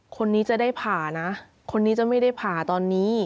คนนี้จะได้ผ่านะคนนี้จะไม่ได้ผ่าตอนนี้